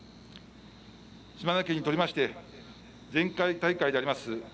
島根県にとりまして前回大会であります